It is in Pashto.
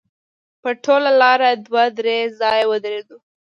په ټوله لاره دوه درې ځایه ودرېدو.